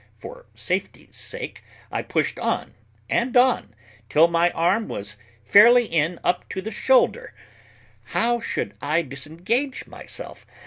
For safety's sake I pushed on and on, till my arm was fairly in up to the shoulder. How should I disengage myself?